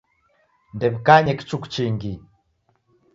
Ndew'ikanye kichuku chingi.